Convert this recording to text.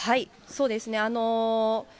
そうですね。